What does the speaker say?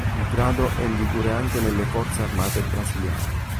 Il grado è in vigore anche nelle forze armate brasiliane.